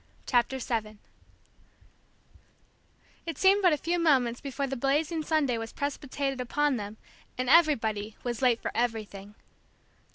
CHAPTER VII It seemed but a few moments before the blazing Sunday was precipitated upon them, and everybody was late for everything.